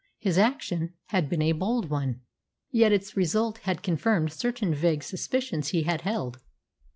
His action had been a bold one, yet its result had confirmed certain vague suspicions he had held.